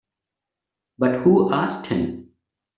But who asked him?